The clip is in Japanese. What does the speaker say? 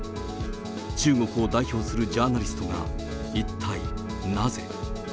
中国を代表するジャーナリストが一体なぜ。